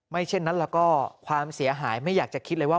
เช่นนั้นแล้วก็ความเสียหายไม่อยากจะคิดเลยว่า